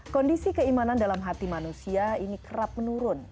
kondisi keimanan dalam hati manusia ini kerap menurun